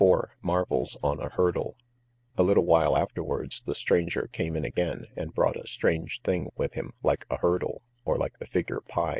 IV Marvels on a Hurdle A little while afterwards the stranger came in again, and brought a strange thing with him like a hurdle, or like the figure II.